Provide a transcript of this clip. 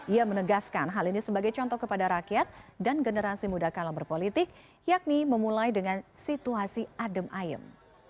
ia menegaskan hal ini sebagai contoh kepada rakyat dan generasi muda kalam berpolitik yakni memulai dengan situasi adem ayem